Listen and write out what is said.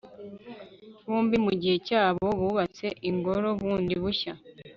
bombi mu gihe cyabo, bubatse ingoro bundi bushya